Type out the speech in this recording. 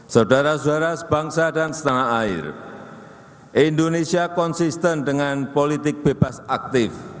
saudara saudara sebangsa dan setanah air indonesia konsisten dengan politik bebas aktif